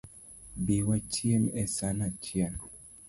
Bi wachiem e san achiel